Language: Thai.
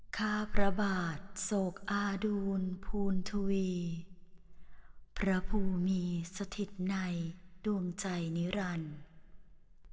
ข้าพระบาทโศกอาดูลภูณทวีพระภูมิมีสถิตในดวงใจนิรันดิ์